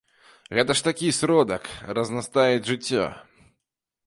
Гэта ж такі сродак разнастаіць жыццё.